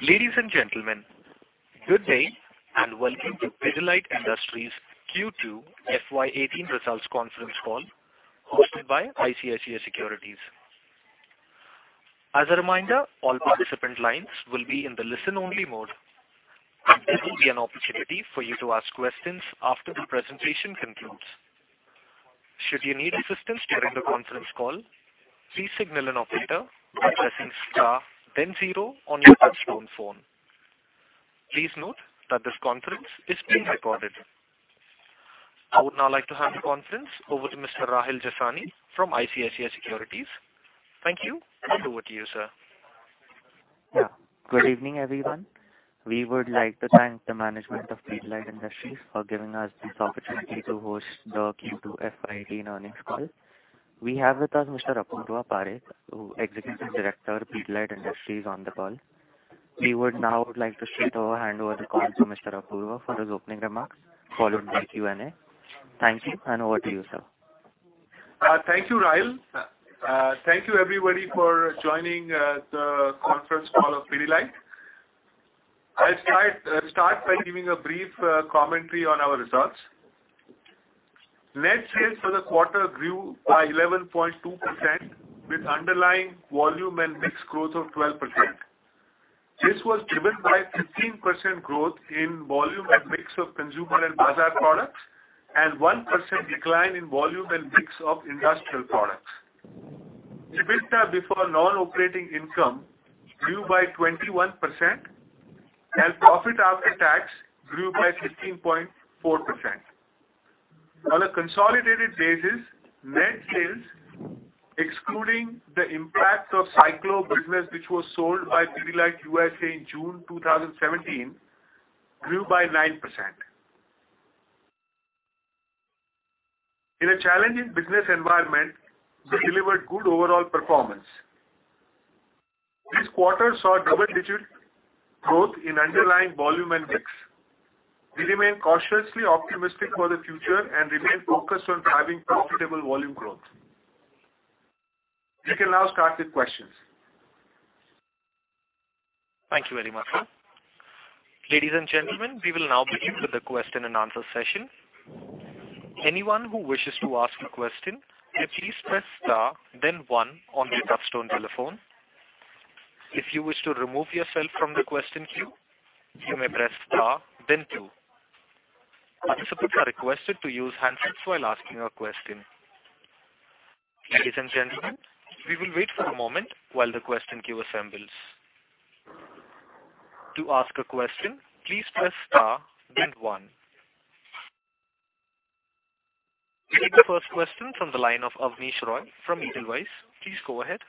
Ladies and gentlemen, good day, and welcome to Pidilite Industries Q2 FY 2018 Results Conference Call, hosted by ICICI Securities. As a reminder, all participant lines will be in the listen only mode. There will be an opportunity for you to ask questions after the presentation concludes. Should you need assistance during the conference call, please signal an operator by pressing star then zero on your touchtone phone. Please note that this conference is being recorded. I would now like to hand the conference over to Mr. Rahil Jasani from ICICI Securities. Thank you. Over to you, sir. Yeah. Good evening, everyone. We would like to thank the management of Pidilite Industries for giving us this opportunity to host the Q2 FY 2018 earnings call. We have with us Mr. Apurva Parekh, Executive Director, Pidilite Industries, on the call. We would now like to straightaway hand over the call to Mr. Apurva for his opening remarks, followed by Q&A. Thank you. Over to you, sir. Thank you, Rahil. Thank you everybody for joining the conference call of Pidilite. I will start by giving a brief commentary on our results. Net sales for the quarter grew by 11.2%, with underlying volume and mix growth of 12%. This was driven by 15% growth in volume and mix of Consumer and Bazaar products, 1% decline in volume and mix of industrial products. EBITDA before non-operating income grew by 21%, profit after tax grew by 15.4%. On a consolidated basis, net sales, excluding the impact of Cyclo business, which was sold by Pidilite USA in June 2017, grew by 9%. In a challenging business environment, we delivered good overall performance. This quarter saw double-digit growth in underlying volume and mix. We remain cautiously optimistic for the future and remain focused on driving profitable volume growth. We can now start with questions. Thank you very much, sir. Ladies and gentlemen, we will now begin with the question and answer session. Anyone who wishes to ask a question will please press star, then one on your touchtone telephone. If you wish to remove yourself from the question queue, you may press star then two. Participants are requested to use handsets while asking a question. Ladies and gentlemen, we will wait for a moment while the question queue assembles. To ask a question, please press star then one. We have the first question from the line of Avnish Roy from Edelweiss. Please go ahead.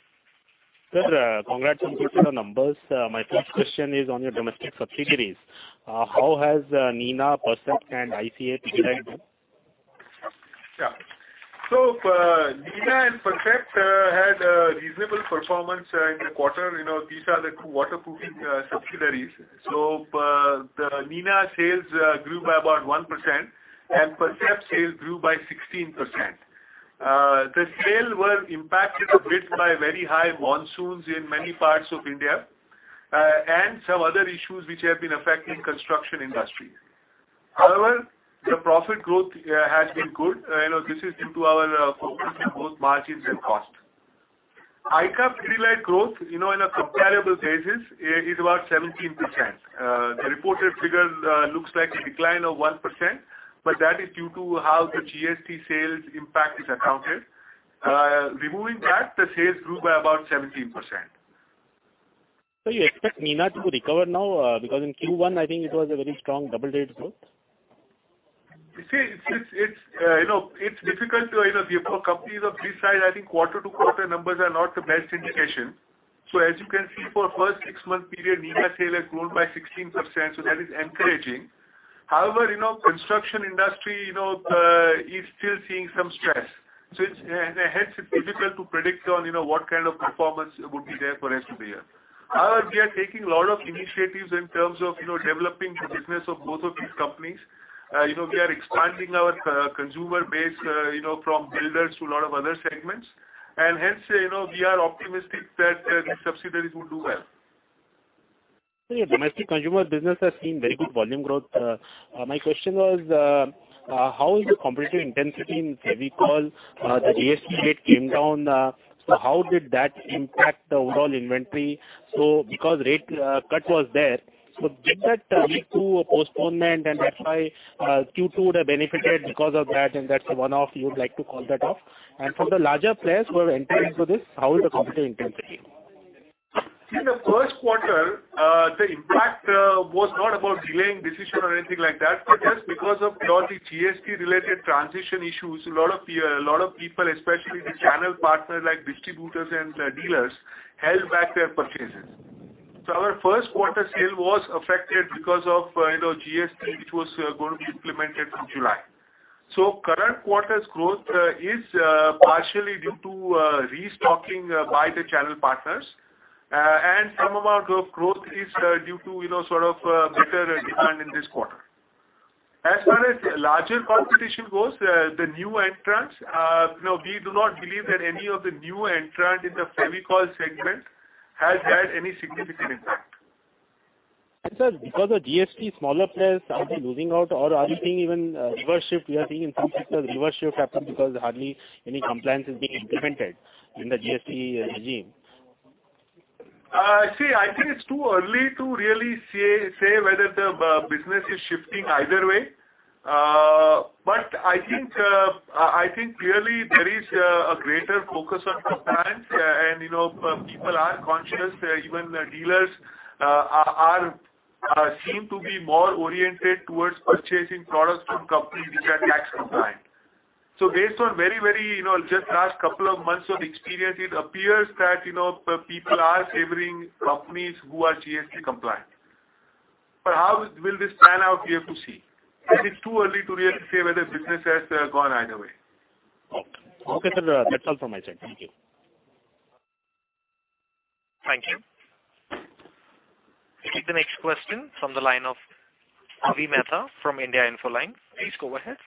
Sir, congrats on good quarter numbers. My first question is on your domestic subsidiaries. How has Nina, Percept and ICA Pidilite done? Yeah. Nina and Percept had a reasonable performance in the quarter. These are the two waterproofing subsidiaries. Nina sales grew by about 1%, and Percept sales grew by 16%. The sales were impacted a bit by very high monsoons in many parts of India, and some other issues which have been affecting construction industry. However, the profit growth has been good. This is due to our focus on both margins and cost. ICA Pidilite growth, on a comparable basis, is about 17%. The reported figures looks like a decline of 1%, but that is due to how the GST sales impact is accounted. Removing that, the sales grew by about 17%. Sir, you expect Nina to recover now? Because in Q1, I think it was a very strong double-digit growth. You see, it's difficult for companies of this size, I think quarter-to-quarter numbers are not the best indication. As you can see, for first six-month period, Nina sale has grown by 16%, so that is encouraging. However, construction industry is still seeing some stress. Hence, it's difficult to predict on what kind of performance would be there for rest of the year. However, we are taking a lot of initiatives in terms of developing the business of both of these companies. We are expanding our consumer base from builders to lot of other segments. Hence, we are optimistic that these subsidiaries will do well. Sir, domestic consumer business has seen very good volume growth. My question was, how is the competitive intensity in Fevicol? The GST rate came down, how did that impact the overall inventory? Because rate cut was there, did that lead to a postponement and that's why Q2 would have benefited because of that, and that's a one-off, you would like to call that off? From the larger players who have entered into this, how is the competitive intensity? In the first quarter, the impact was not about delaying decision or anything like that. Just because of lot the GST related transition issues, a lot of people, especially the channel partners like distributors and dealers, held back their purchases. Our first quarter sale was affected because of GST, which was going to be implemented from July. Current quarter's growth is partially due to restocking by the channel partners. Some amount of growth is due to better demand in this quarter. As far as larger competition goes, the new entrants, we do not believe that any of the new entrants in the Fevicol segment has had any significant impact. Sir, because of GST, smaller players, are they losing out or are we seeing even reverse shift? We are seeing in some sectors reverse shift happen because hardly any compliance is being implemented in the GST regime. See, I think it's too early to really say whether the business is shifting either way. I think clearly there is a greater focus on compliance and people are conscious. Even the dealers seem to be more oriented towards purchasing products from companies which are tax compliant. Based on just last couple of months of experience, it appears that people are favoring companies who are GST compliant. How will this pan out? We have to see. It is too early to really say whether businesses have gone either way. Okay, sir. That's all from my side. Thank you. Thank you. We take the next question from the line of Avi Mehta from India Infoline. Please go ahead.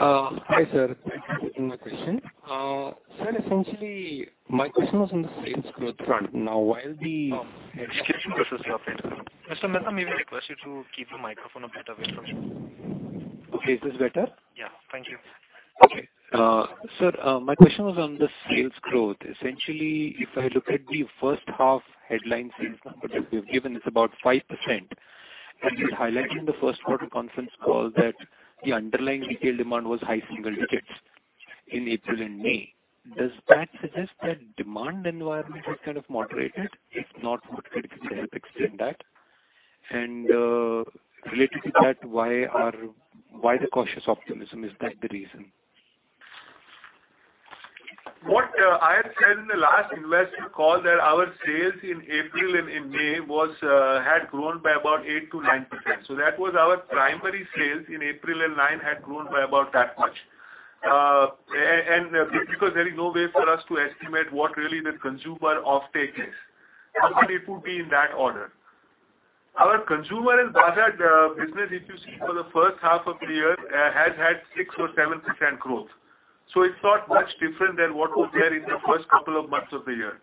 Hi, sir. Thank you for taking my question. Sir, essentially, my question was on the sales growth front. Excuse me. Mr. Mehta, may we request you to keep your microphone a bit away from you? Okay. Is this better? Yeah. Thank you. Sir, my question was on the sales growth. Essentially, if I look at the first half headline sales number that you've given, it's about 5%. You'd highlighted in the first quarter conference call that the underlying retail demand was high single digits in April and May. Does that suggest that demand environment has kind of moderated? If not moderated, could you help explain that? Related to that, why the cautious optimism, is that the reason? What I had said in the last investor call that our sales in April and in May had grown by about 8%-9%. That was our primary sales in April and May had grown by about that much. Because there is no way for us to estimate what really the consumer offtake is. Hopefully, it would be in that order. Our consumer and bazaar business, if you see for the first half of the year, has had 6% or 7% growth. It's not much different than what was there in the first couple of months of the year.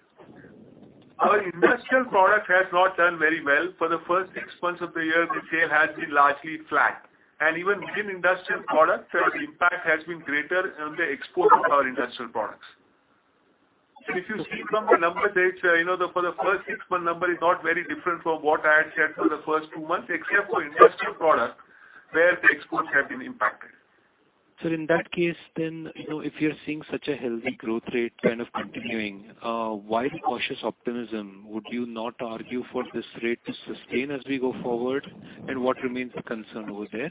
Our industrial product has not done very well. For the first six months of the year, the sale has been largely flat. Even within industrial products, the impact has been greater on the export of our industrial products. If you see from the numbers, for the first six-month number is not very different from what I had shared for the first two months except for industrial products, where the exports have been impacted. Sir, in that case, then if you're seeing such a healthy growth rate kind of continuing, why cautious optimism? Would you not argue for this rate to sustain as we go forward? What remains a concern over there?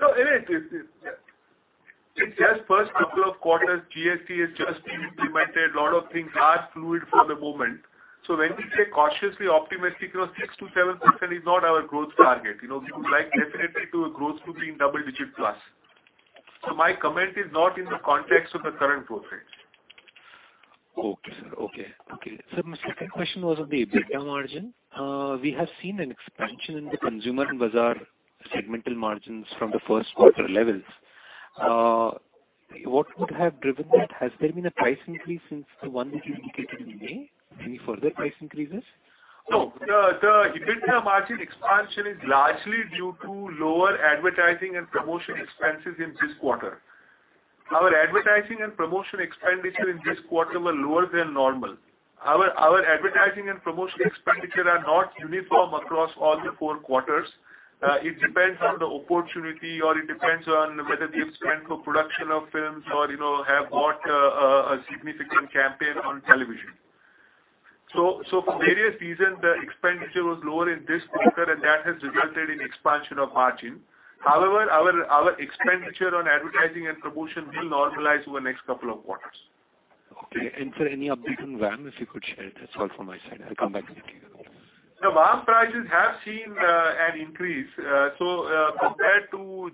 No. It's just first couple of quarters, GST has just been implemented. Lot of things are fluid for the moment. When we say cautiously optimistic, because 6%-7% is not our growth target. We would like definitely to grow to be in double-digit plus. My comment is not in the context of the current growth rate. Okay, sir. Sir, my second question was on the EBITDA margin. We have seen an expansion in the consumer and bazaar segmental margins from the first quarter levels. What would have driven that? Has there been a price increase since the one that you indicated in May? Any further price increases? No. The EBITDA margin expansion is largely due to lower advertising and promotion expenses in this quarter. Our advertising and promotion expenditure in this quarter were lower than normal. Our advertising and promotion expenditure are not uniform across all the four quarters. It depends on the opportunity, or it depends on whether we have planned for production of films or have got a significant campaign on television. For various reasons, the expenditure was lower in this quarter, and that has resulted in expansion of margin. However, our expenditure on advertising and promotion will normalize over the next couple of quarters. Okay. Sir, any update on VAM, if you could share, that's all from my side. I'll come back in the queue. The VAM prices have seen an increase. Between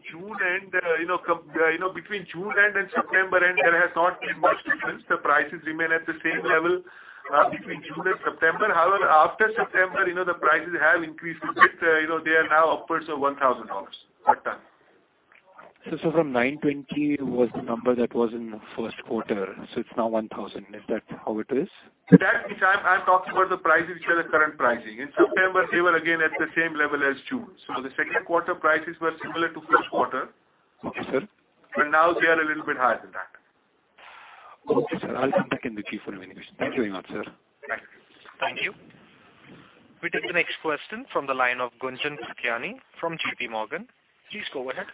June end and September end, there has not been much difference. The prices remain at the same level between June and September. However, after September, the prices have increased a bit. They are now upwards of INR 1,000 a ton. From 920 was the number that was in the first quarter, it's now 1,000. Is that how it is? I'm talking about the prices which are the current pricing. In September, they were again at the same level as June. The second quarter prices were similar to first quarter. Okay, sir. Now they are a little bit higher than that. Okay, sir. I'll come back in the queue for more questions. Thanks very much, sir. Thank you. Thank you. We take the next question from the line of Gunjan Prithyani from JP Morgan. Please go ahead.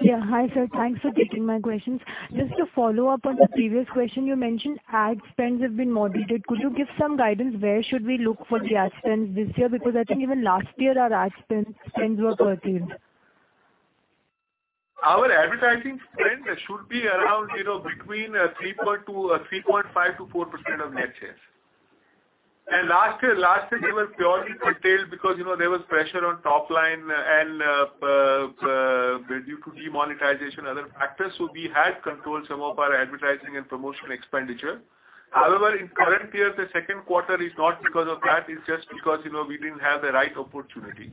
Yeah. Hi, sir. Thanks for taking my questions. Just to follow up on the previous question, you mentioned ad spends have been moderated. Could you give some guidance where should we look for the ad spends this year? I think even last year our ad spends were curtailed. Our advertising spend should be around between 3.5%-4% of net sales. Last year they were purely curtailed because there was pressure on top line and Due to demonetization, other factors, so we had controlled some of our advertising and promotional expenditure. However, in current year, the second quarter is not because of that, it's just because we didn't have the right opportunity.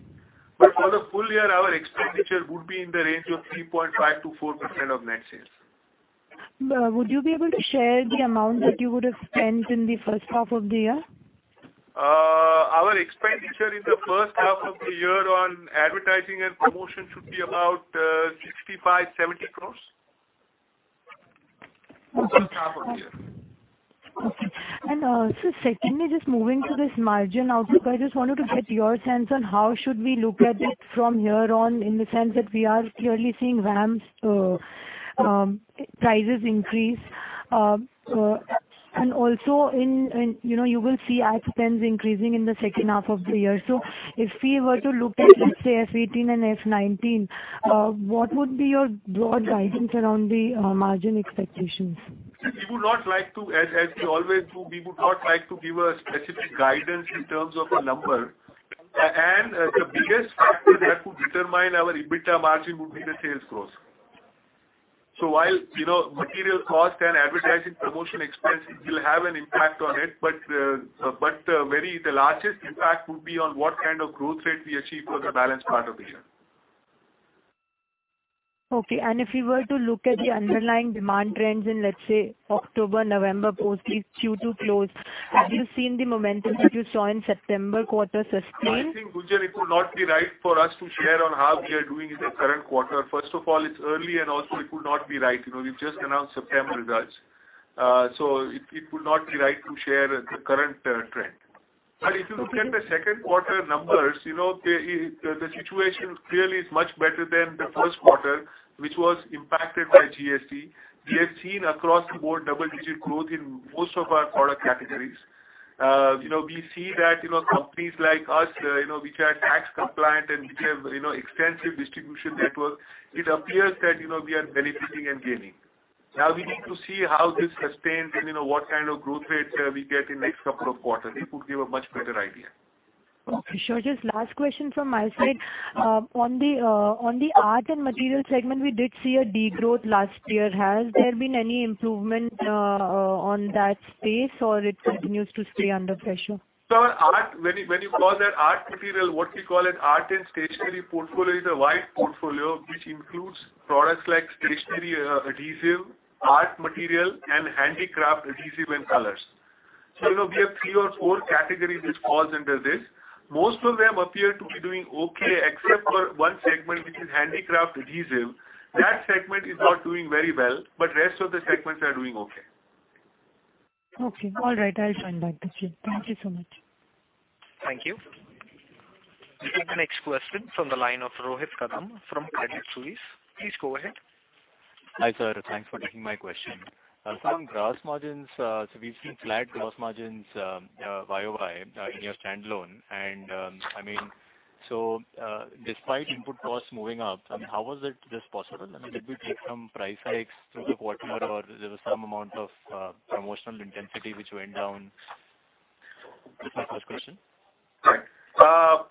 For the full year, our expenditure would be in the range of 3.5%-4% of net sales. Would you be able to share the amount that you would have spent in the first half of the year? Our expenditure in the first half of the year on advertising and promotion should be about 65-70 crores. First half of the year. Okay. Sir, secondly, just moving to this margin outlook, I just wanted to get your sense on how should we look at it from here on in the sense that we are clearly seeing VAMs prices increase. Also, you will see ad spends increasing in the second half of the year. If we were to look at, let's say, FY 2018 and FY 2019, what would be your broad guidance around the margin expectations? As we always do, we would not like to give a specific guidance in terms of a number. The biggest factor that could determine our EBITDA margin would be the sales growth. While material cost and advertising promotional expense will have an impact on it, but the largest impact would be on what kind of growth rate we achieve for the balance part of the year. Okay. If we were to look at the underlying demand trends in, let's say, October, November post the Q2 close, have you seen the momentum that you saw in September quarter sustaining? No, I think, Gunjan, it would not be right for us to share on how we are doing in the current quarter. First of all, it's early and also it would not be right. We've just announced September results. It would not be right to share the current trend. If you look at the second quarter numbers, the situation clearly is much better than the first quarter, which was impacted by GST. We have seen across the board double-digit growth in most of our product categories. We see that companies like us, which are tax compliant and which have extensive distribution network, it appears that we are benefiting and gaining. Now we need to see how this sustains and what kind of growth rates we get in next couple of quarters. It would give a much better idea. Okay, sure. Just last question from my side. On the art and material segment, we did see a degrowth last year. Has there been any improvement on that space, or it continues to stay under pressure? When you call that art material, what we call an art and stationery portfolio is a wide portfolio, which includes products like stationery adhesive, art material, and handicraft adhesive and colors. We have three or four categories which falls under this. Most of them appear to be doing okay except for one segment, which is handicraft adhesive. That segment is not doing very well, but rest of the segments are doing okay. Okay. All right, I'll sign back with you. Thank you so much. Thank you. We take the next question from the line of Rohit Kadam from Credit Suisse. Please go ahead. Hi, sir. Thanks for taking my question. Sir, on gross margins, we've seen flat gross margins year-over-year in your standalone. Despite input costs moving up, how was this possible? Did we take some price hikes through the quarter or there was some amount of promotional intensity which went down? That's my first question. Right.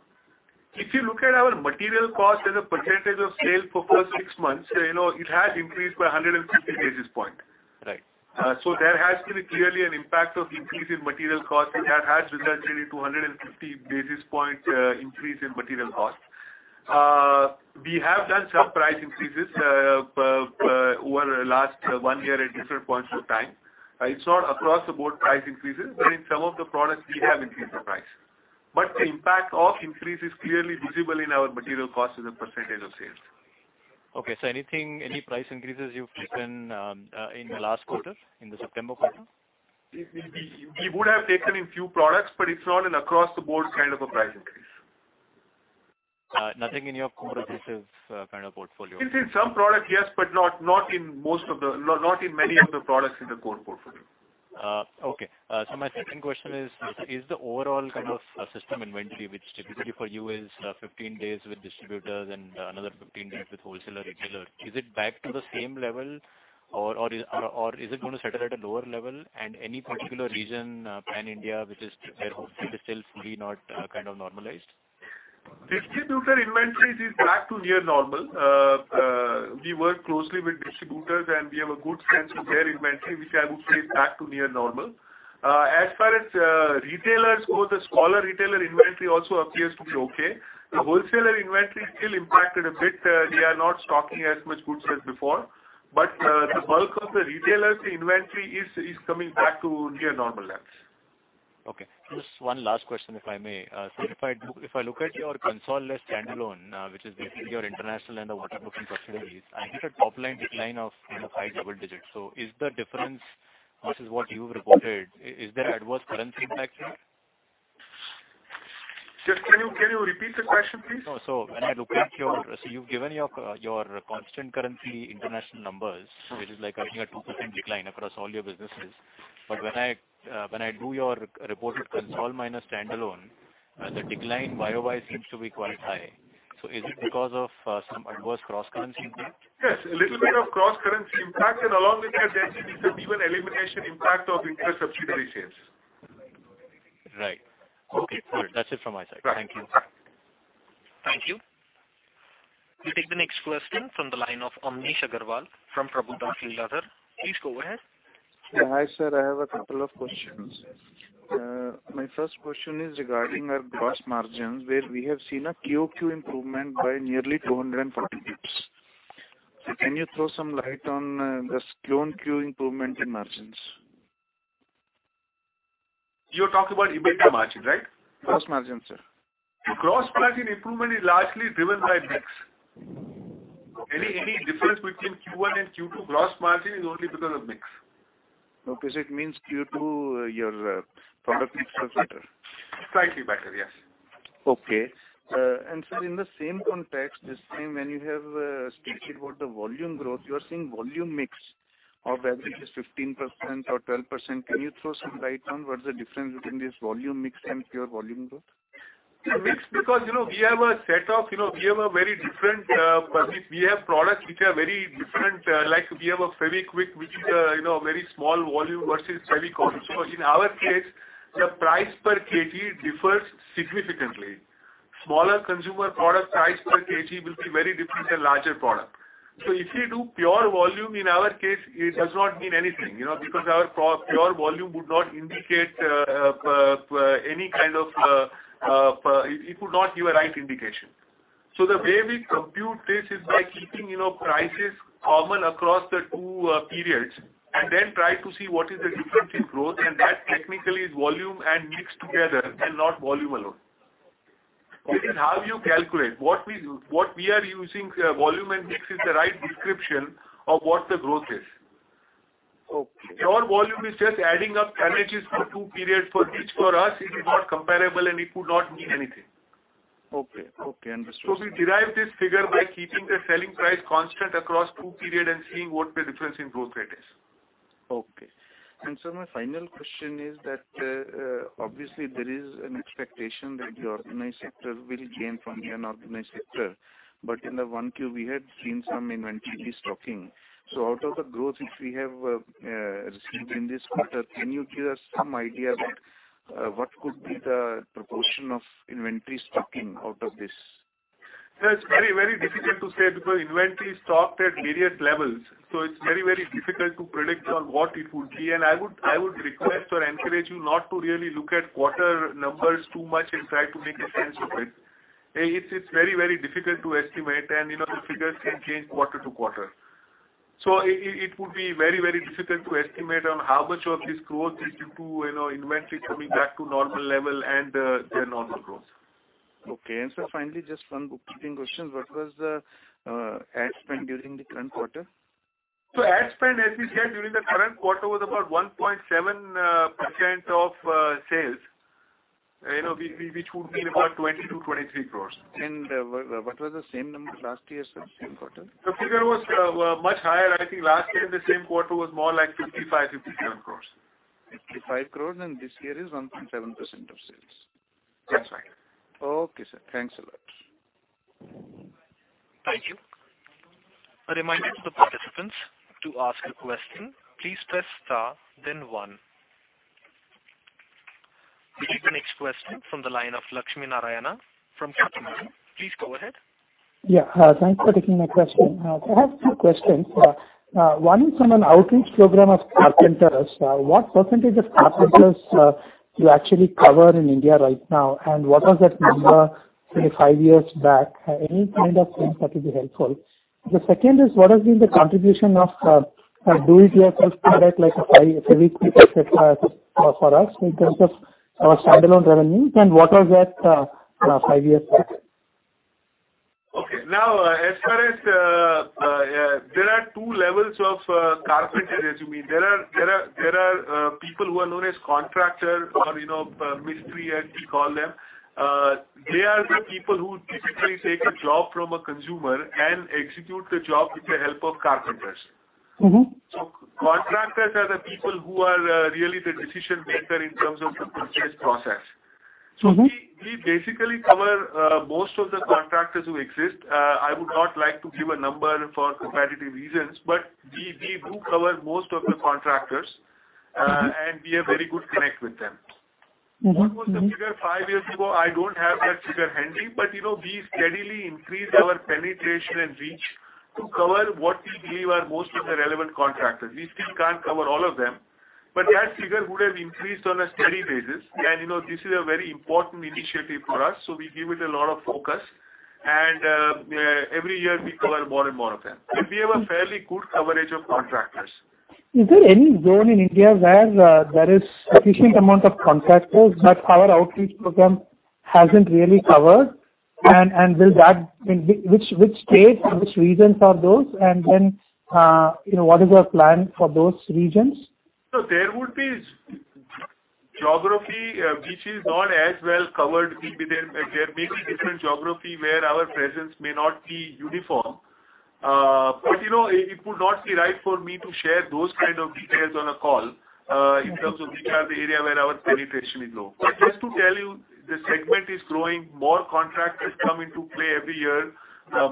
If you look at our material cost as a percentage of sales for first six months, it has increased by 150 basis point. Right. There has been clearly an impact of increase in material cost which has resulted into 150 basis points increase in material cost. We have done some price increases over last one year at different points of time. It's not across the board price increases, but in some of the products we have increased the price. The impact of increase is clearly visible in our material cost as a percentage of sales. Okay. Any price increases you have taken in the last quarter, in the September quarter? We would have taken in few products, but it's not an across the board kind of a price increase. Nothing in your core adhesive kind of portfolio? It's in some product, yes, but not in many of the products in the core portfolio. Okay. My second question is the overall kind of system inventory, which typically for you is 15 days with distributors and another 15 days with wholesaler, retailer. Is it back to the same level or is it going to settle at a lower level? Any particular region, pan India, where hopefully the sales fully not kind of normalized? Distributor inventories is back to near normal. We work closely with distributors, we have a good sense of their inventory, which I would say is back to near normal. Far as retailers go, the smaller retailer inventory also appears to be okay. The wholesaler inventory is still impacted a bit. They are not stocking as much goods as before, the bulk of the retailers inventory is coming back to near normal levels. Okay. Just one last question, if I may. Sir, if I look at your consolidated standalone, which is basically your international and the waterproofing facilities, I see a top line decline of high double digits. Is the difference versus what you've reported, is there adverse currency impact here? Sir, can you repeat the question, please? When I look at your you've given your constant currency international numbers, which is like having a 2% decline across all your businesses. When I do your reported consolidated minus standalone, the decline Y-o-Y seems to be quite high. Is it because of some adverse cross-currency impact? Yes, a little bit of cross-currency impact, and along with that, there is a interco-elimination impact of interest subsidiary sales. Right. Okay, cool. That's it from my side. Thank you. Right. Thank you. We take the next question from the line of Amnish Aggarwal from Prabhudas Lilladher. Please go ahead. Hi, sir, I have a couple of questions. My first question is regarding our gross margins, where we have seen a QOQ improvement by nearly 240 basis points. Can you throw some light on this QOQ improvement in margins? You're talking about EBITDA margin, right? Gross margins, sir. Gross margin improvement is largely driven by mix. Any difference between Q1 and Q2 gross margin is only because of mix. Okay. It means Q2, your product mix was better. Slightly better, yes. Okay. Sir, in the same context, this time when you have stated about the volume growth, you are saying volume mix of average is 15% or 12%. Can you throw some light on what is the difference between this volume mix and pure volume growth? The mix, because we have a very different product. We have products which are very different. Like we have a Fevikwik, which is a very small volume versus Fevicol. In our case, the price per kg differs significantly. Smaller consumer product price per kg will be very different than larger product. If you do pure volume, in our case, it does not mean anything. Our pure volume would not give a right indication. The way we compute this is by keeping prices common across the two periods and then try to see what is the difference in growth, and that technically is volume and mix together and not volume alone. Okay. This is how you calculate. What we are using, volume and mix, is the right description of what the growth is. Okay. Pure volume is just adding up tonnages for two periods, which for us is not comparable and it could not mean anything. Okay. Understood. We derive this figure by keeping the selling price constant across two periods and seeing what the difference in growth rate is. Okay. Sir, my final question is that, obviously there is an expectation that the organized sector will gain from the unorganized sector. In the one Q we had seen some inventory stocking. Out of the growth which we have received in this quarter, can you give us some idea about what could be the proportion of inventory stocking out of this? Sir, it's very difficult to say because inventory stocked at various levels, it's very difficult to predict on what it would be. I would request or encourage you not to really look at quarter numbers too much and try to make a sense of it. It's very difficult to estimate, and the figures can change quarter to quarter. It would be very difficult to estimate on how much of this growth is due to inventory coming back to normal level and their normal growth. Okay. Sir, finally, just one bookkeeping question. What was the ad spend during the current quarter? Ad spend, as we said during the current quarter, was about 1.7% of sales, which would be about 22 crores, 23 crores. What was the same number last year, sir, same quarter? The figure was much higher. I think last year the same quarter was more like 55 crores, 57 crores. 55 crores, and this year is 1.7% of sales. That's right. Okay, sir. Thanks a lot. Thank you. A reminder to the participants to ask a question, please press star then one. We take the next question from the line of Lakshmi Narayana from Kotak Mahindra. Please go ahead. Yeah. Thanks for taking my question. I have two questions. One is on an outreach program of carpenters. What percentage of carpenters do you actually cover in India right now? What was that number three to five years back? Any kind of thing that would be helpful. The second is what has been the contribution of do-it-yourself product like a Fevikwik, et cetera, for us in terms of our standalone revenue and what was that five years back? Okay. Now, as far as there are two levels of carpenters, you mean. There are people who are known as contractor or mistri as we call them. They are the people who typically take a job from a consumer and execute the job with the help of carpenters. Contractors are the people who are really the decision maker in terms of the purchase process. We basically cover most of the contractors who exist. I would not like to give a number for competitive reasons, but we do cover most of the contractors, and we have very good connect with them. What was the figure five years ago? I don't have that figure handy, but we steadily increase our penetration and reach to cover what we believe are most of the relevant contractors. We still can't cover all of them, but that figure would have increased on a steady basis. This is a very important initiative for us, so we give it a lot of focus, and every year we cover more and more of them. We have a fairly good coverage of contractors. Is there any zone in India where there is sufficient amount of contractors that our outreach program hasn't really covered? Which states or which regions are those? Then what is your plan for those regions? There would be geography which is not as well covered. There may be different geography where our presence may not be uniform. It would not be right for me to share those kind of details on a call in terms of which are the area where our penetration is low. Just to tell you. The segment is growing, more contracts come into play every year.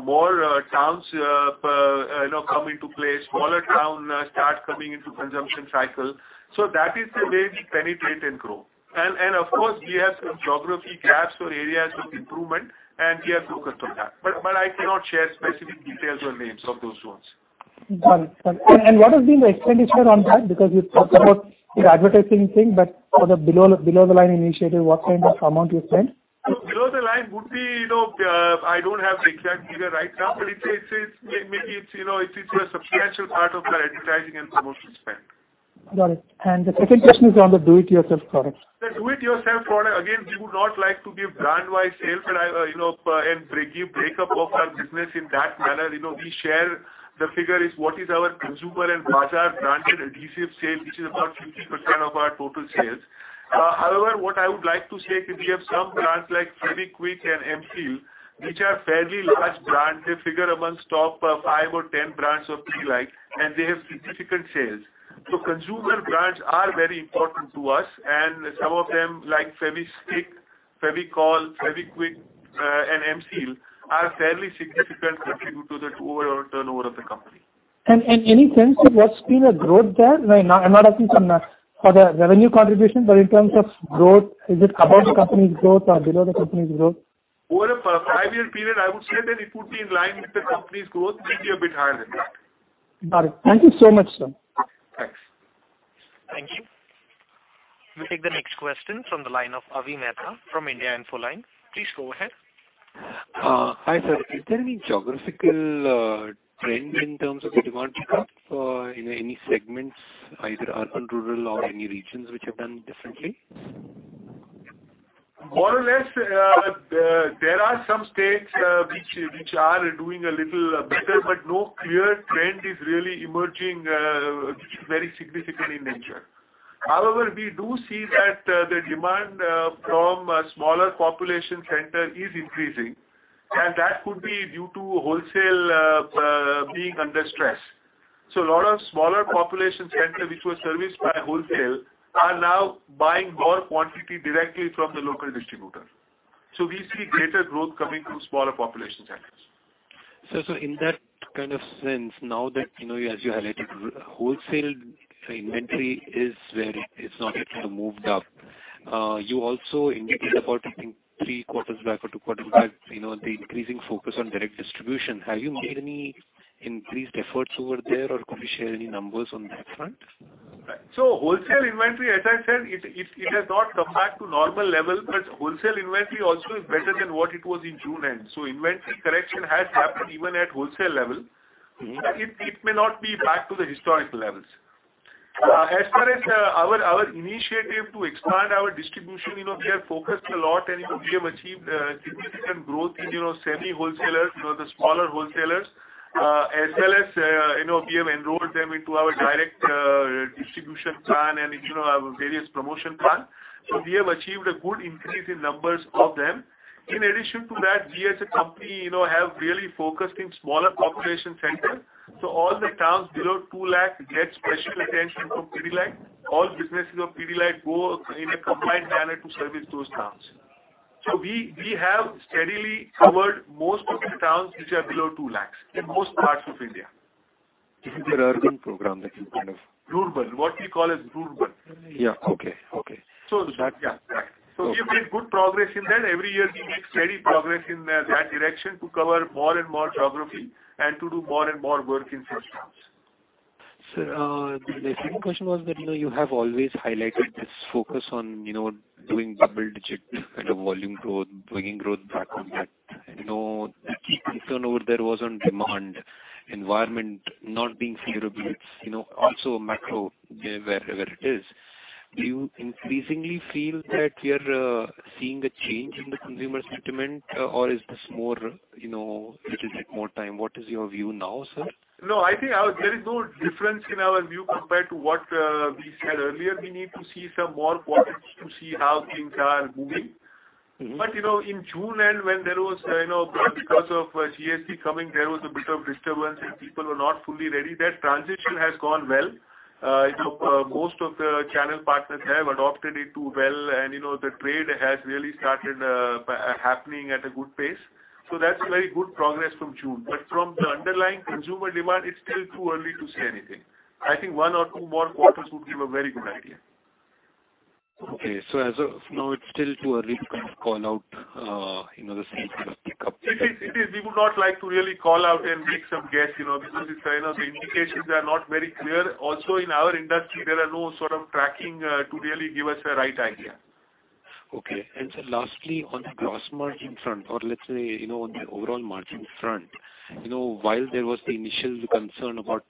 More towns come into play, smaller towns start coming into consumption cycle. That is the way we penetrate and grow. Of course, we have some geography gaps or areas of improvement, and we are focused on that. I cannot share specific details or names of those zones. Got it. What has been the expenditure on that? Because you talked about the advertising thing, for the below the line initiative, what kind of amount you spent? Below the line, I don't have the exact figure right now, maybe it's a substantial part of our advertising and promotion spend. Got it. The second question is on the do it yourself product. The do it yourself product, again, we would not like to give brand-wise sales driver, and give breakup of our business in that manner. We share the figure is what is our consumer and bazaar branded adhesive sales, which is about 50% of our total sales. However, what I would like to say is we have some brands like Fevikwik and M-Seal, which are fairly large brands. They figure among top five or 10 brands of Pidilite, and they have significant sales. Consumer brands are very important to us, and some of them like Fevistik, Fevicol, Fevikwik, and M-Seal are fairly significant contributor to overall turnover of the company. Any sense of what's been a growth there? I'm not asking for the revenue contribution, but in terms of growth, is it above the company's growth or below the company's growth? Over a five-year period, I would say that it would be in line with the company's growth, maybe a bit higher than that. Got it. Thank you so much, sir. Thanks. Thank you. We'll take the next question from the line of Avi Mehta from India Infoline. Please go ahead. Hi, sir. Is there any geographical trend in terms of the demand pickup in any segments, either urban, rural or any regions which have done differently? More or less, there are some states which are doing a little better, but no clear trend is really emerging, which is very significant in nature. However, we do see that the demand from smaller population center is increasing, and that could be due to wholesale being under stress. A lot of smaller population center which was serviced by wholesale are now buying more quantity directly from the local distributor. We see greater growth coming from smaller population centers. Sir, in that kind of sense, now that, as you highlighted, wholesale inventory is where it's not yet kind of moved up. You also indicated about, I think, three quarters back or two quarters back, the increasing focus on direct distribution. Have you made any increased efforts over there or could you share any numbers on that front? Wholesale inventory, as I said, it has not come back to normal level, but wholesale inventory also is better than what it was in June end. Inventory correction has happened even at wholesale level. It may not be back to the historical levels. As far as our initiative to expand our distribution, we have focused a lot and we have achieved significant growth in semi-wholesalers, the smaller wholesalers. As well as, we have enrolled them into our direct distribution plan and our various promotion plan. We have achieved a good increase in numbers of the smaller wholesalers. In addition to that, we as a company have really focused in smaller population centers. All the towns below 2 lakh get special attention from Pidilite. All businesses of Pidilite work in a combined manner to service those towns. We have steadily covered most of the towns which are below 2 lakhs in most parts of India. This is your urban program. Rural. What we call as rural. Yeah. Okay. We've made good progress in that. Every year, we make steady progress in that direction to cover more and more geography and to do more and more work in such towns. Sir, the second question was that, you have always highlighted this focus on doing double-digit kind of volume growth, bringing growth back on that. The key concern over there was on demand environment not being favorable. Also macro, wherever it is. Do you increasingly feel that you're seeing a change in the consumer sentiment or is this little bit more time? What is your view now, sir? I think there is no difference in our view compared to what we said earlier. We need to see some more quarters to see how things are moving. In June end, because of GST coming, there was a bit of disturbance and people were not fully ready. That transition has gone well. Most of the channel partners have adopted it well, and the trade has really started happening at a good pace. That's very good progress from June. From the underlying consumer demand, it's still too early to say anything. I think one or two more quarters would give a very good idea. Okay. As of now, it's still too early to kind of call out the speed of pickup. It is. We would not like to really call out and make some guess, because the indications are not very clear. In our industry, there are no sort of tracking to really give us a right idea. Okay. Sir, lastly, on the gross margin front or let's say, on the overall margin front. While there was the initial concern about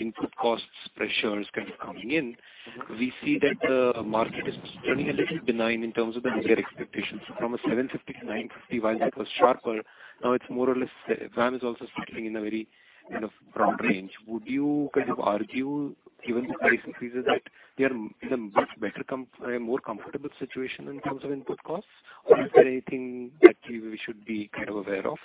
input costs pressures kind of coming in, we see that the market is turning a little benign in terms of the higher expectations from a 750 to 950, while that was sharper, now it's more or less VAM is also settling in a very kind of broad range. Would you kind of argue given the price increases that we are in a much better, more comfortable situation in terms of input costs? Or is there anything that we should be kind of aware of?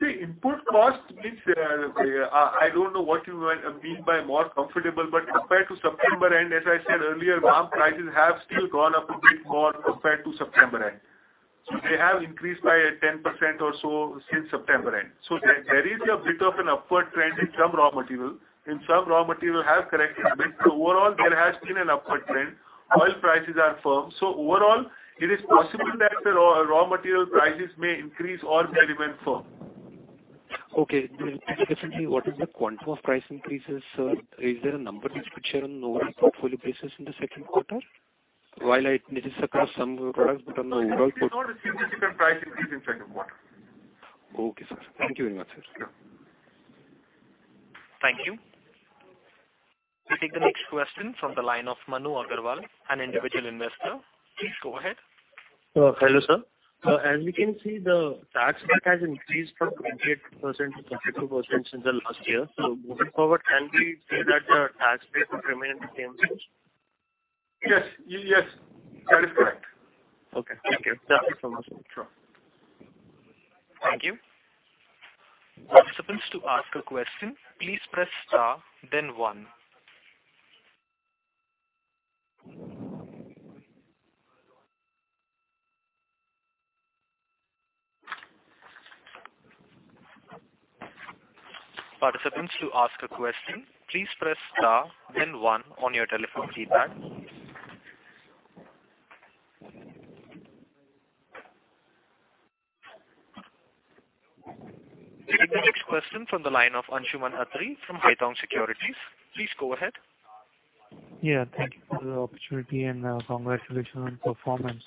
See, input costs means I don't know what you mean by more comfortable, but compared to September end, as I said earlier, raw material prices have still gone up a bit more compared to September end. They have increased by 10% or so since September end. There is a bit of an upward trend in some raw materials. In some raw materials have corrected a bit. Overall, there has been an upward trend. Oil prices are firm. Overall, it is possible that the raw material prices may increase or may remain firm. Okay. Just recently, what is the quantum of price increases, sir? Is there a number which you could share on an overall portfolio basis in the second quarter? While it is across some products, but on the overall- We have not received a significant price increase in second quarter. Okay, sir. Thank you very much, sir. Sure. Thank you. We take the next question from the line of Manu Agarwal, an individual investor. Please go ahead. Hello, sir. As we can see, the tax rate has increased from 28% to 32% since the last year. Moving forward, can we say that the tax rate will remain the same, sir? Yes. That is correct. Okay. Thank you. Sure. Thank you. Participants to ask a question, please press star then one. Participants to ask a question, please press star then one on your telephone keypad. We take the next question from the line of Anshuman Khatri from Haitong Securities. Please go ahead. Yeah. Thank you for the opportunity. Congratulations on performance.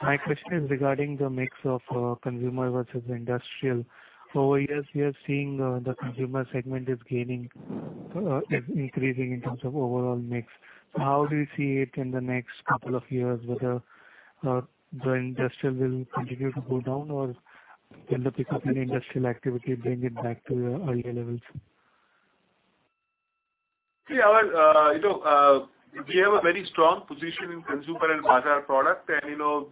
My question is regarding the mix of consumer versus industrial. Over years, we are seeing the consumer segment is increasing in terms of overall mix. How do you see it in the next couple of years, whether the industrial will continue to go down or will the pickup in industrial activity bring it back to your earlier levels? We have a very strong position in consumer and Bazaar product.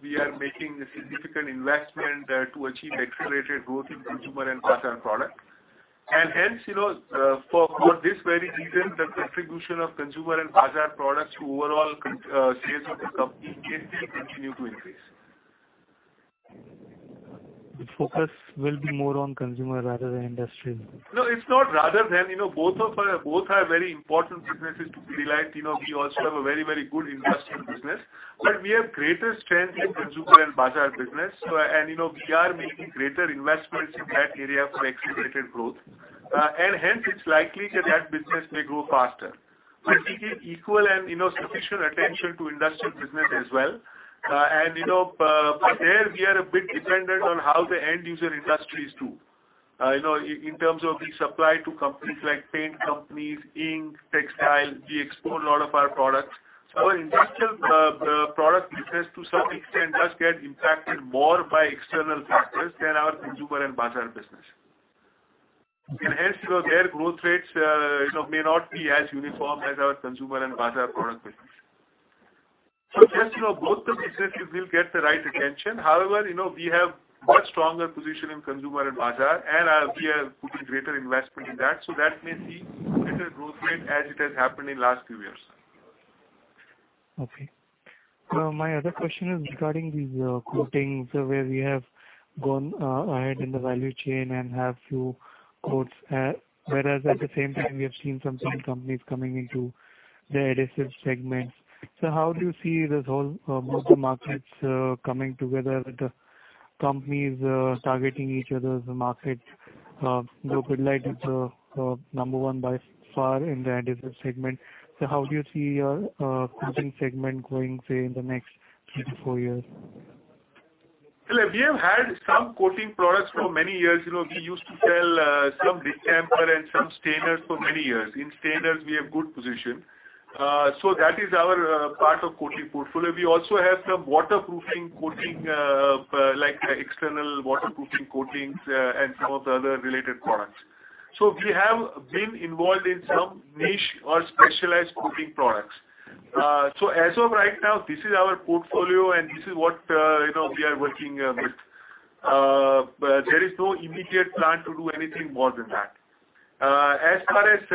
We are making a significant investment to achieve accelerated growth in consumer and Bazaar product. Hence, for this very reason, the contribution of consumer and Bazaar products to overall sales of the company can still continue to increase. The focus will be more on consumer rather than industrial. No, it's not rather than. Both are very important businesses to Pidilite. We also have a very good industrial business. We have greater strength in consumer and Bazaar business. We are making greater investments in that area for accelerated growth. Hence it's likely that business may grow faster. We give equal and sufficient attention to industrial business as well. There we are a bit dependent on how the end user industries do. In terms of we supply to companies like paint companies, ink, textile, we export a lot of our products. Our industrial product business to some extent does get impacted more by external factors than our consumer and Bazaar business. Hence, their growth rates may not be as uniform as our consumer and Bazaar product business. Rest, both the businesses will get the right attention. However, we have much stronger position in consumer and Bazaar, and we are putting greater investment in that. That may see greater growth rate as it has happened in last few years. Okay. My other question is regarding these coatings where we have gone ahead in the value chain and have few coats, whereas at the same time, we have seen some paint companies coming into the adhesive segments. How do you see this whole both the markets coming together with the companies targeting each other's market? Pidilite is number one by far in the adhesive segment. How do you see your coating segment going, say, in the next three to four years? We have had some coating products for many years. We used to sell some distemper and some stainers for many years. In stainers, we have good position. That is our part of coating portfolio. We also have some waterproofing coating, like external waterproofing coatings and some of the other related products. We have been involved in some niche or specialized coating products. As of right now, this is our portfolio and this is what we are working with. There is no immediate plan to do anything more than that. As far as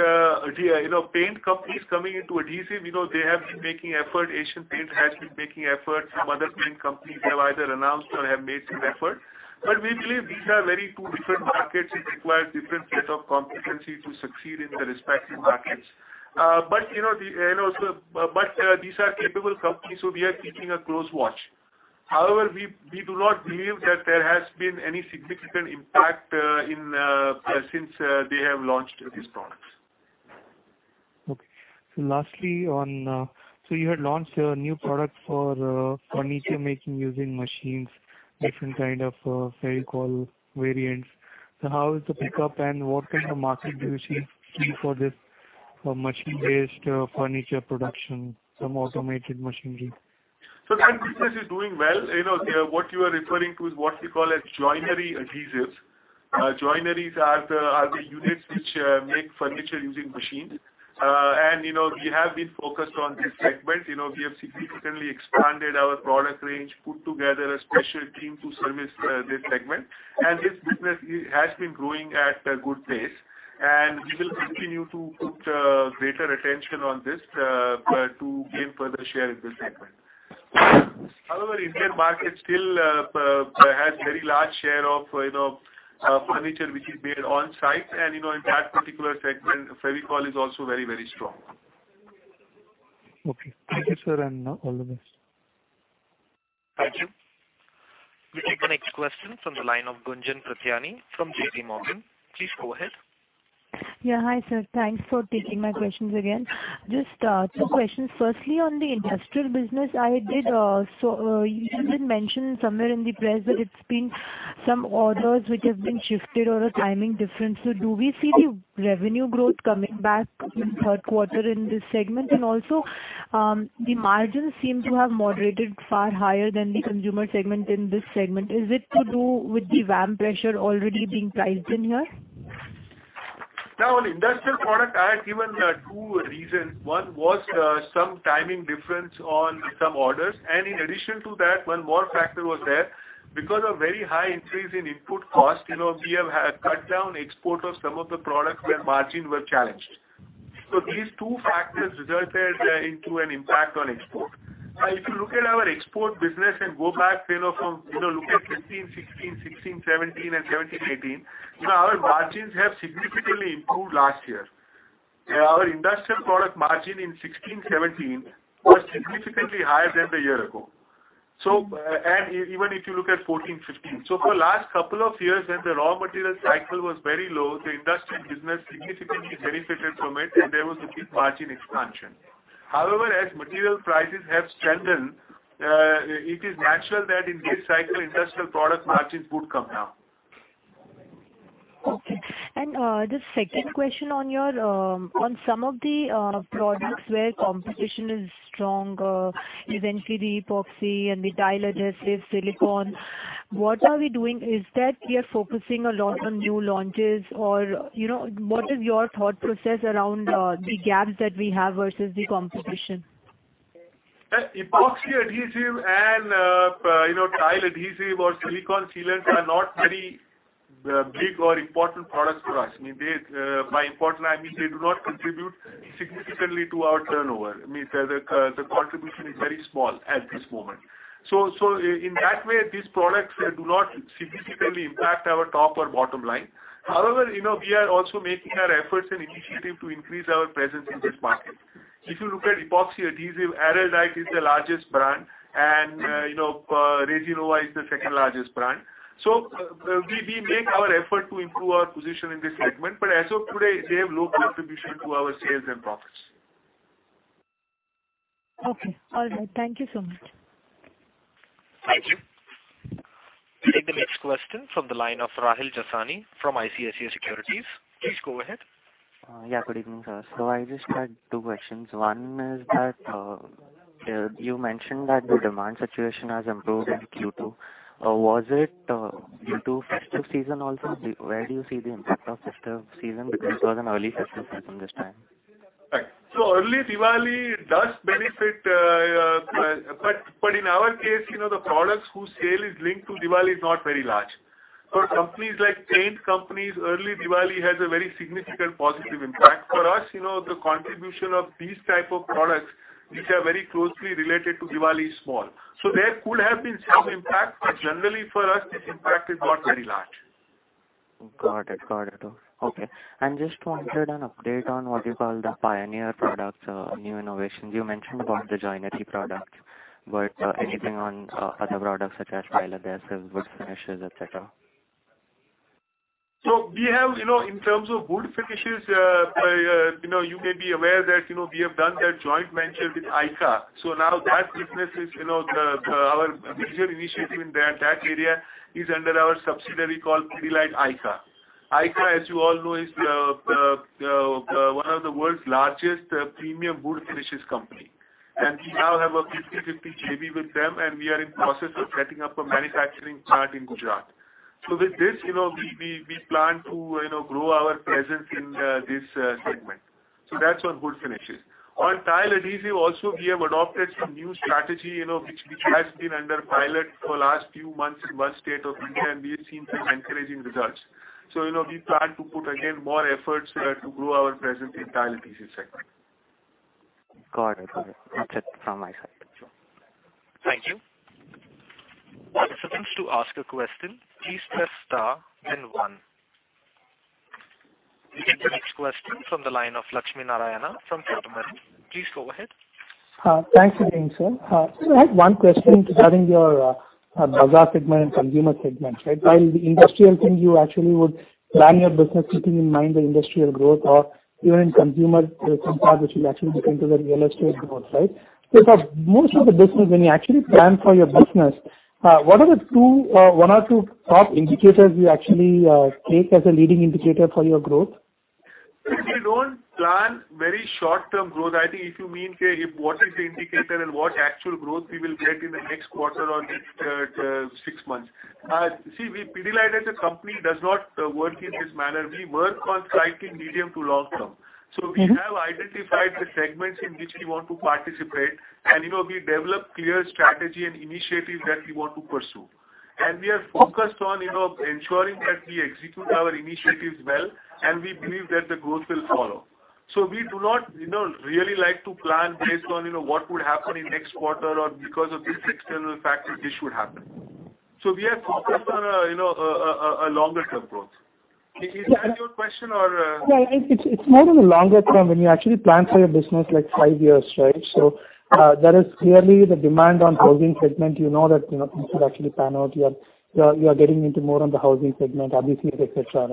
paint companies coming into adhesive, they have been making effort. Asian Paints has been making effort. Some other paint companies have either announced or have made some effort. We believe these are very two different markets. It requires different set of competency to succeed in the respective markets. These are capable companies, so we are keeping a close watch. However, we do not believe that there has been any significant impact since they have launched these products. Lastly, you had launched a new product for furniture making using machines, different kind of Fevicol variants. How is the pickup and what kind of market do you see for this machine-based furniture production, some automated machinery? That business is doing well. What you are referring to is what we call as joinery adhesives. Joineries are the units which make furniture using machines. We have been focused on this segment. We have significantly expanded our product range, put together a special team to service this segment. This business has been growing at a good pace. We will continue to put greater attention on this to gain further share in this segment. However, Indian market still has very large share of furniture which is made on-site, and in that particular segment, Fevicol is also very, very strong. Okay. Thank you, sir, and all the best. Thank you. We take the next question from the line of Gunjan Prithyani from JP Morgan. Please go ahead. Hi, sir. Thanks for taking my questions again. Just two questions. Firstly, on the industrial business, you had mentioned somewhere in the press that it's been some orders which have been shifted or a timing difference. Do we see the revenue growth coming back in third quarter in this segment? And also, the margins seem to have moderated far higher than the consumer segment in this segment. Is it to do with the VAM pressure already being priced in here? No, on industrial product, I had given two reasons. One was some timing difference on some orders. In addition to that, one more factor was there. Because of very high increase in input cost, we have cut down export of some of the products where margins were challenged. These two factors resulted into an impact on export. If you look at our export business and go back from look at FY 2015-2016, FY 2016-2017, and FY 2017-2018, our margins have significantly improved last year. Our industrial product margin in FY 2016-2017 was significantly higher than the year ago. Even if you look at FY 2014-2015. For last couple of years, when the raw material cycle was very low, the industrial business significantly benefited from it and there was a good margin expansion. However, as material prices have strengthened, it is natural that in this cycle, industrial product margins would come down. Okay. The second question on some of the products where competition is strong, eventually the epoxy and the tile adhesive, silicone, what are we doing? Is that we are focusing a lot on new launches, or what is your thought process around the gaps that we have versus the competition? Epoxy adhesive and tile adhesive or silicone sealants are not very big or important products for us. By important, I mean they do not contribute significantly to our turnover. I mean, the contribution is very small at this moment. In that way, these products do not significantly impact our top or bottom line. However, we are also making our efforts and initiative to increase our presence in this market. If you look at epoxy adhesive, Araldite is the largest brand and Resinova is the second largest brand. We make our effort to improve our position in this segment, but as of today, they have low contribution to our sales and profits. Okay. All right. Thank you so much. Thank you. We take the next question from the line of Rahil Jasani from ICICI Securities. Please go ahead. Yeah, good evening, sir. I just had two questions. One is that, you mentioned that the demand situation has improved in Q2. Was it due to festive season also? Where do you see the impact of festive season, because it was an early festive season this time? Right. Early Diwali does benefit, but in our case, the products whose sale is linked to Diwali is not very large. For companies like paint companies, early Diwali has a very significant positive impact. For us, the contribution of these type of products which are very closely related to Diwali is small. There could have been some impact, but generally for us, this impact is not very large. Got it. Okay. Just wanted an update on what you call the pioneer products, new innovations. You mentioned about the joinery products, but anything on other products such as tile adhesive, wood finishes, et cetera? We have, in terms of wood finishes, you may be aware that we have done a joint venture with ICA. Now that business is our major initiative in that area is under our subsidiary called ICA Pidilite. ICA, as you all know, is one of the world's largest premium wood finishes company. We now have a 50/50 JV with them, and we are in process of setting up a manufacturing plant in Gujarat. With this, we plan to grow our presence in this segment. That's on wood finishes. On tile adhesive also, we have adopted some new strategy which has been under pilot for last few months in one state of India, and we have seen some encouraging results. We plan to put again more efforts to grow our presence in tile adhesive segment. Got it. That's it from my side. Sure. Thank you. For participants to ask a question, please press star then one. We take the next question from the line of Lakshmi Narayana from Kotak Mahindra. Please go ahead. Thanks again, sir. I have one question regarding your bazaar segment and consumer segment. While the industrial thing you actually would plan your business keeping in mind the industrial growth or even in consumer some part which will actually look into the real estate growth. For most of the business, when you actually plan for your business, what are the one or two top indicators you actually take as a leading indicator for your growth? We don't plan very short-term growth. I think if you mean what is the indicator and what actual growth we will get in the next quarter or next six months. Pidilite as a company does not work in this manner. We work on slightly medium to long term. We have identified the segments in which we want to participate, and we develop clear strategy and initiatives that we want to pursue. We are focused on ensuring that we execute our initiatives well, and we believe that the growth will follow. We do not really like to plan based on what would happen in next quarter or because of this external factor, this should happen. We are focused on a longer-term growth. Is that your question? Yeah. It's more of a longer term when you actually plan for your business, like five years, right? There is clearly the demand on housing segment, you know that things should actually pan out. You are getting into more on the housing segment, RCCs, et cetera.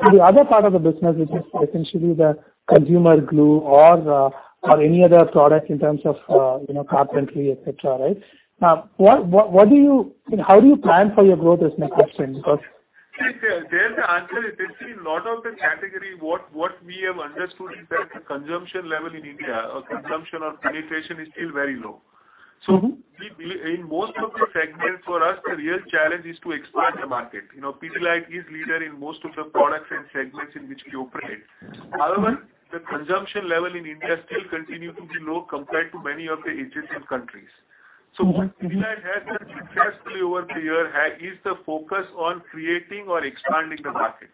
For the other part of the business, which is essentially the consumer glue or any other product in terms of carpentry, et cetera. How do you plan for your growth is my question? There the answer is, you see, lot of the category, what we have understood is that the consumption level in India or consumption or penetration is still very low. In most of the segments, for us, the real challenge is to expand the market. Pidilite is leader in most of the products and segments in which we operate. However, the consumption level in India still continue to be low compared to many of the adjacent countries. What Pidilite has done successfully over the year is the focus on creating or expanding the market.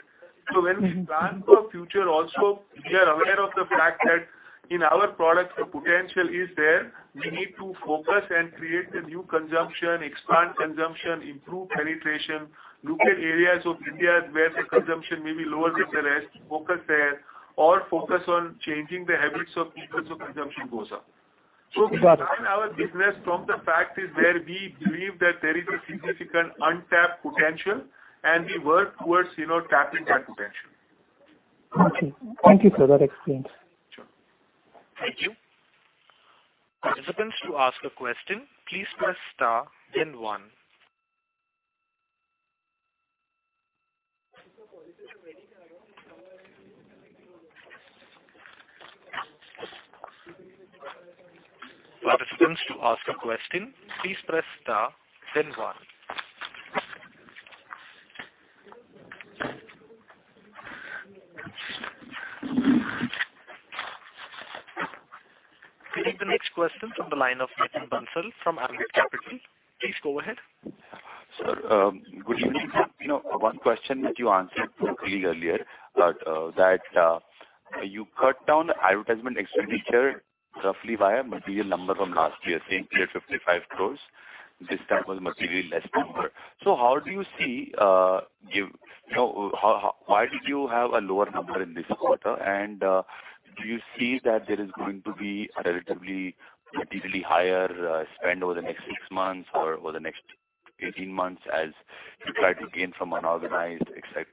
When we plan for future also, we are aware of the fact that in our product the potential is there. We need to focus and create a new consumption, expand consumption, improve penetration, look at areas of India where the consumption may be lower than the rest, focus there, or focus on changing the habits of people, so consumption goes up. Got it. We plan our business from the places where we believe that there is a significant untapped potential, and we work towards tapping that potential. Okay. Thank you, sir, for that explain. Sure. Thank you. Participants to ask a question, please press star, then one. Participants to ask a question, please press star, then one. We take the next question from the line of Nitin Bansal from Ambit Capital. Please go ahead. Sir, good evening. One question which you answered briefly earlier, that you cut down advertisement expenditure roughly via material number from last year, same period 55 crores. This time was materially less number. Why did you have a lower number in this quarter? Do you see that there is going to be a relatively materially higher spend over the next six months or over the next 18 months as you try to gain from unorganized, et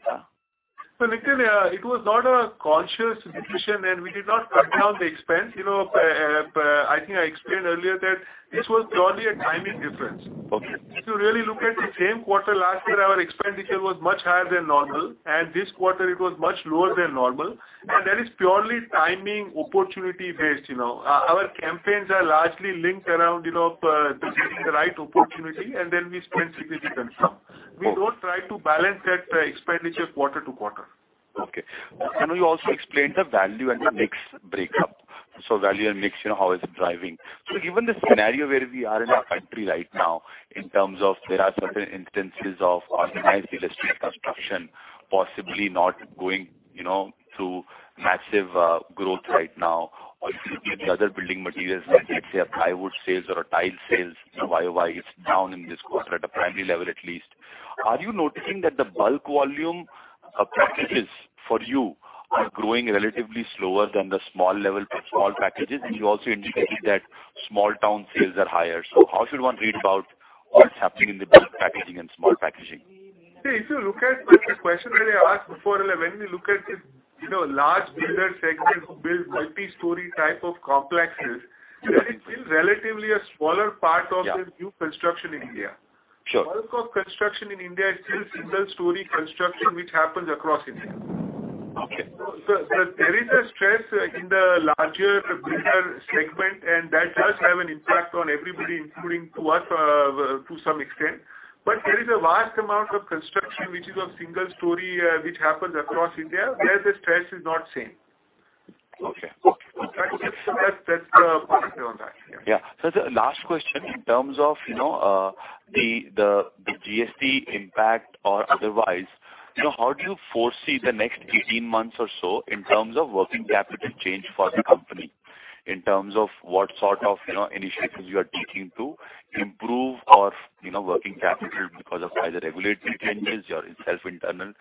cetera? Nitin, it was not a conscious decision, and we did not cut down the expense. I think I explained earlier that this was purely a timing difference. Okay. If you really look at the same quarter last year, our expenditure was much higher than normal, and this quarter it was much lower than normal. That is purely timing opportunity based. Our campaigns are largely linked around seizing the right opportunity, and then we spend significantly. Okay. We don't try to balance that expenditure quarter to quarter. Okay. Can you also explain the value and the mix breakup? Value and mix, how is it driving? Given the scenario where we are in our country right now, in terms of there are certain instances of organized real estate construction, possibly not going through massive growth right now, or if you look at the other building materials like, let's say, a plywood sales or a tile sales, year-over-year is down in this quarter at a primary level at least. Are you noticing that the bulk volume of packages for you are growing relatively slower than the small level, small packages? You also indicated that small town sales are higher. How should one read about what's happening in the bulk packaging and small packaging? If you look at the question that I asked before, when we look at the large builder segment who build multi-story type of complexes, it is still relatively a smaller part of the new construction in India. Sure. Bulk of construction in India is still single story construction, which happens across India. Okay. There is a stress in the larger builder segment, and that does have an impact on everybody, including to us, to some extent. There is a vast amount of construction which is of single story, which happens across India, where the stress is not same. Okay. That's the posture on that. Yeah. Yeah. Sir, last question in terms of the GST impact or otherwise. How do you foresee the next 18 months or so in terms of working capital change for the company, in terms of what sort of initiatives you are taking to improve or working capital because of either regulatory changes or self-internal?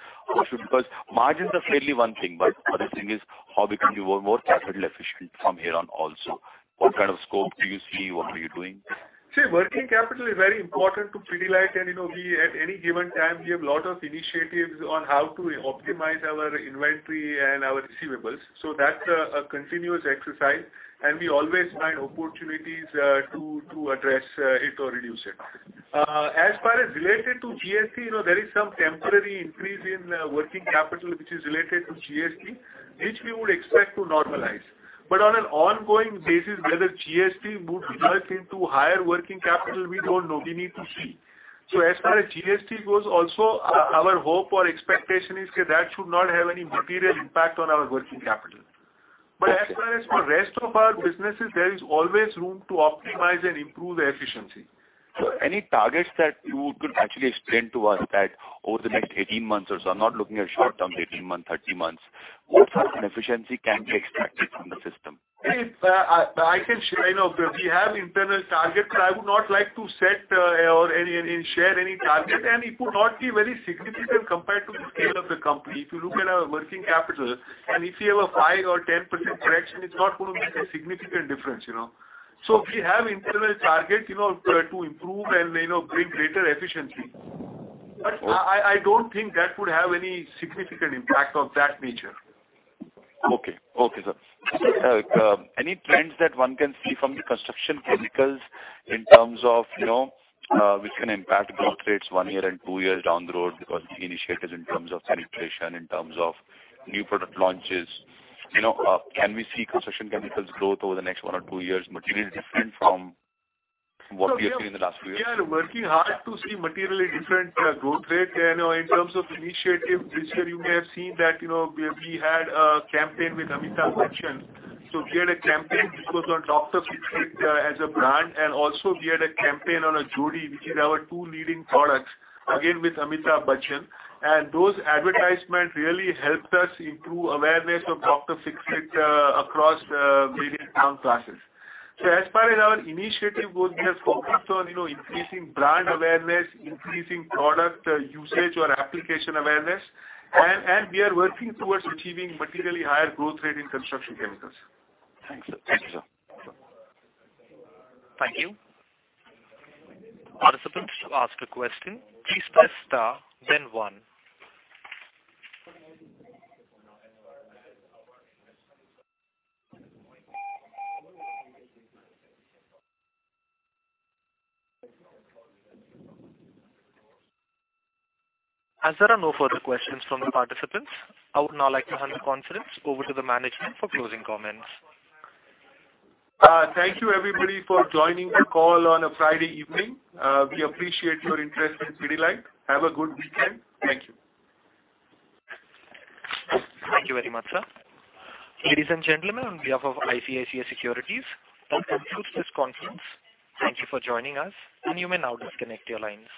Margins are fairly one thing, but other thing is how become you more capital efficient from here on also. What kind of scope do you see? What are you doing? See, working capital is very important to Pidilite, and at any given time, we have lot of initiatives on how to optimize our inventory and our receivables. That's a continuous exercise, and we always find opportunities to address it or reduce it. As far as related to GST, there is some temporary increase in working capital, which is related to GST, which we would expect to normalize. On an ongoing basis, whether GST would nudge into higher working capital, we don't know. We need to see. As far as GST goes also, our hope or expectation is that should not have any material impact on our working capital. As far as for rest of our businesses, there is always room to optimize and improve the efficiency. Any targets that you could actually explain to us that over the next 18 months or so, I'm not looking at short-term 18 months, 30 months, what kind of efficiency can be extracted from the system? We have internal targets, I would not like to set or share any target, it would not be very significant compared to the scale of the company. If you look at our working capital, if you have a 5% or 10% reduction, it's not going to make a significant difference. We have internal targets to improve and bring greater efficiency. I don't think that would have any significant impact of that nature. Okay. Sir, any trends that one can see from the construction chemicals, which can impact growth rates one year and two years down the road because of any initiatives in terms of penetration, in terms of new product launches? Can we see construction chemicals growth over the next one or two years materially different from what we have seen in the last few years? We are working hard to see materially different growth rate. In terms of initiative, this year you may have seen that we had a campaign with Amitabh Bachchan. We had a campaign which was on Dr. Fixit as a brand, also we had a campaign on Jodi, which is our two leading products, again, with Amitabh Bachchan. Those advertisements really helped us improve awareness of Dr. Fixit across various town classes. As far as our initiative goes, we have focused on increasing brand awareness, increasing product usage or application awareness, and we are working towards achieving materially higher growth rate in construction chemicals. Thanks, sir. Thank you. Participant wish to ask a question, please press star, then one. As there are no further questions from the participants, I would now like to hand the conference over to the management for closing comments. Thank you everybody for joining the call on a Friday evening. We appreciate your interest in Pidilite. Have a good weekend. Thank you. Thank you very much, sir. Ladies and gentlemen, on behalf of ICICI Securities, that concludes this conference. Thank you for joining us, and you may now disconnect your lines.